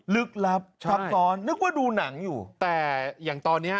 ลึกลับซับซ้อนนึกว่าดูหนังอยู่แต่อย่างตอนเนี้ย